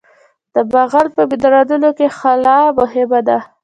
د جغل په منرالونو کې خلا مهمه ده